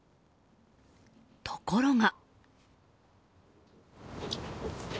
ところが。